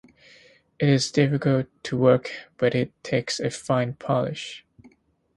It is difficult to work but it takes a fine polish.